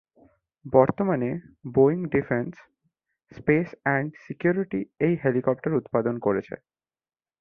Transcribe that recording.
বর্তমানে Boeing defence, space and security এই helicopter উৎপাদন করছে।